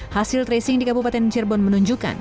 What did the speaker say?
hasil tracing di kabupaten cirebon menunjukkan